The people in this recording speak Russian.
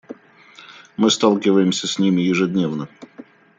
Мы сталкиваемся с ними ежедневно.